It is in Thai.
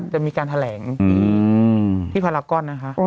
จะมีการแถลงที่พารากอนนะคะ